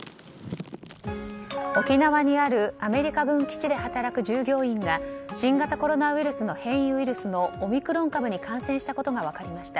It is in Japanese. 沖縄にあるアメリカ軍基地で働く従業員が新型コロナウイルスの変異ウイルスのオミクロン株に感染したことが分かりました。